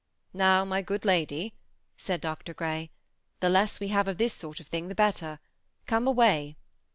Sow, my good lady," said Dr. Grey, " the less we of this sort of thing the better. Come away."